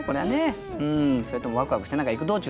それともワクワクして何か行く道中ですかね？